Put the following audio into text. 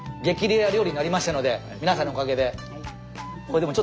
レア料理になりましたので皆さんのおかげで。